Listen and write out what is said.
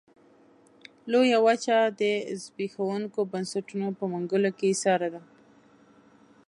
لویه وچه د زبېښونکو بنسټونو په منګلو کې ایساره ده.